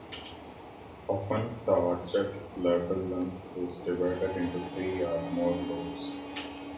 Often, the orchid labellum is divided into three or more lobes.